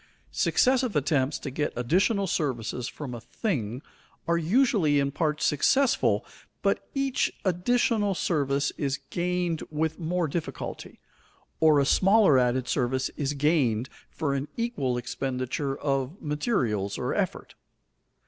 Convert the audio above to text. _ Successive attempts to get additional services from a thing are usually in part successful, but each additional service is gained with more difficulty, or a smaller added service is gained for an equal expenditure of materials or effort.